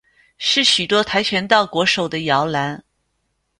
是许多跆拳道国手的摇篮。